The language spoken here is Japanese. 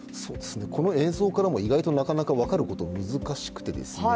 この映像からも意外となかなか分かること難しくてですね